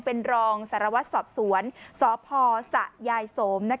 เป็นรองสารวัตรสอบสวนสพสะยายสม